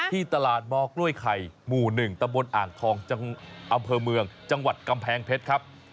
ที่ตลาดมกล้วยไข่หมู่๑ตำบลอ่างทองอำเภอเมืองจังหวัดกำแพงเพชรครับ